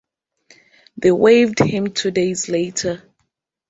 They waived him two days later.